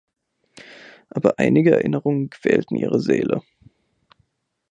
Aber einige Erinnerungen quälten ihre Seele.